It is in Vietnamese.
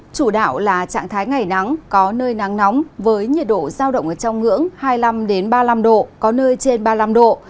chủ đạo là trạng thái ngày nắng có nơi nắng nóng với nhiệt độ giao động trong ngưỡng hai mươi năm ba mươi năm độ có nơi trên ba mươi năm độ